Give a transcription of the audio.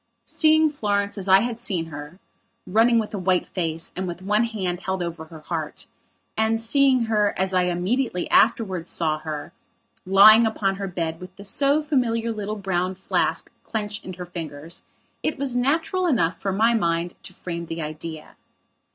Seeing Florence, as I had seen her, running with a white face and with one hand held over her heart, and seeing her, as I immediately afterwards saw her, lying upon her bed with the so familiar little brown flask clenched in her fingers, it was natural enough for my mind to frame the idea.